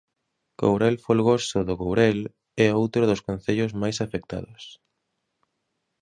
Courel Folgoso do Courel é outro dos concellos máis afectados.